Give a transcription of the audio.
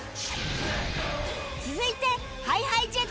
続いて ＨｉＨｉＪｅｔｓ